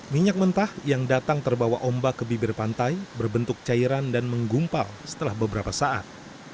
minyak mentah yang datang terbawa ombak ke bibir pantai berbentuk cairan dan menggumpal setelah beberapa saat